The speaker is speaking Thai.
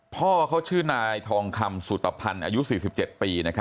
พ่อเขาชื่อนายทองคำสุตภัณฑ์อายุ๔๗ปี